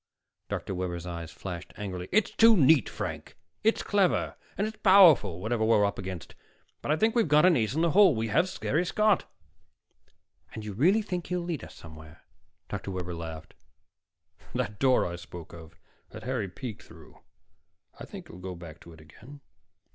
Dr. Webber's eyes flashed angrily. "It's too neat, Frank. It's clever, and it's powerful, whatever we've run up against. But I think we've got an ace in the hole. We have Harry Scott." "And you really think he'll lead us somewhere?" Dr. Webber laughed. "That door I spoke of that Harry peeked through, I think he'll go back to it again.